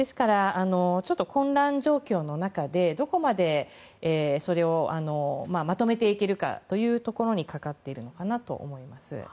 ちょっと混乱状況の中でどこまでそれをまとめていけるかにかかっているのかなと思います。